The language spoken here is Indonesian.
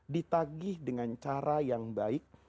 ditagih dengan cara yang baik